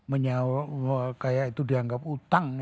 menyiur kayak itu dianggap utang ya